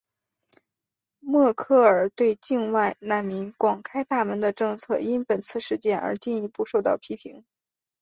默克尔对境外难民广开大门的政策因本次事件而进一步受到批评。